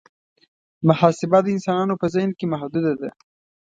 محاسبه د انسانانو په ذهن کې محدوده وه.